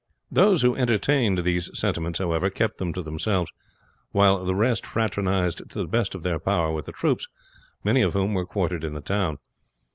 Those who entertained these sentiments, however, kept them to themselves, while the rest fraternized to the best of their power with the troops, many of whom were quartered in the town.